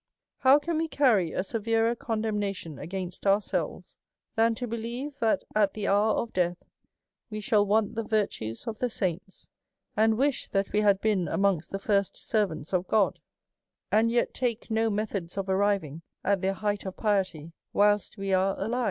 How can we carry a severer condemna tion against ourselves, than to believe that at the hour of death we shall want the virtues of the saints, and wish that we had been amongst the first servants of God, and yet take no methods of arriving at their height of piety whilst we are alive